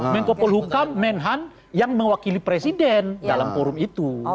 menkopol hukum menhan yang mewakili presiden dalam forum itu